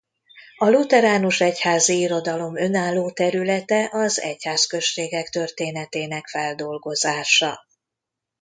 A lutheránus egyházi irodalom önálló területe az egyházközségek történetének feldolgozása.